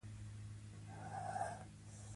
لنډمهاله ویره د ماشومانو لپاره طبیعي ده.